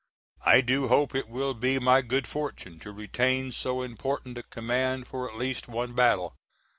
I do hope it will be my good fortune to retain so important a command for at least one battle.